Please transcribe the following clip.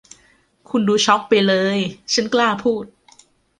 คุณดูช็อคไปเลย ฉันกล้าพูด